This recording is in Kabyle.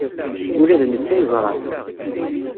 Ula d netta yeẓra-t.